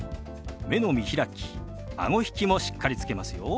目の見開きあご引きもしっかりつけますよ。